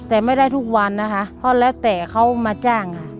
แต่ไม่ได้ทุกวันนะคะเพราะแล้วแต่เขามาจ้างค่ะ